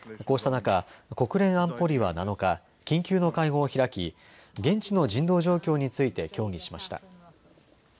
こうした中、国連安保理は７日、緊急の会合を開き現地の人道状況について協議しました。